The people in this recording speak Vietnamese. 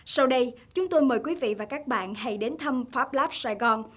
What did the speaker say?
sau đây chúng tôi mời quý vị và các bạn hãy đến thăm pháp lap sài gòn